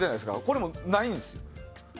これも、ないんです。